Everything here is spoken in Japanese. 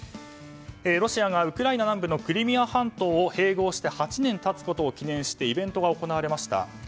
ロシアがウクライナ南部のクリミア半島を併合して８年経つことを記念してイベントが行われました。